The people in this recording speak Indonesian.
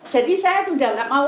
jadi saya juga gak mau